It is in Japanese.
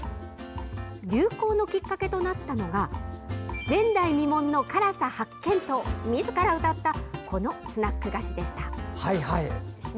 流行のきっかけとなったのが前代未聞の辛さ発見とみずからうたったこのスナック菓子でした。